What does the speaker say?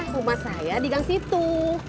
rumah saya di gang situ